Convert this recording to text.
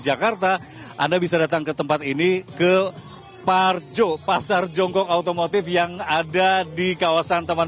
jakarta anda bisa datang ke tempat ini ke parjo pasar jongkong otomotif yang ada di kawasan taman